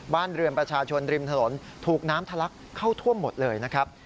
บ้านเรือนประชาชนริมถนนถูกน้ำทะลักเข้าท่วมหมดเลยนะครับ